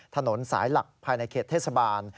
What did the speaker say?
ถนนสายหลักภายในเขตเทศบาล